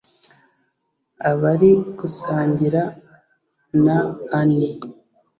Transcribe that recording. aba ari gusangira na ani